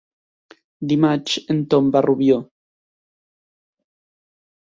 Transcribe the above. Dimarts en Tom va a Rubió.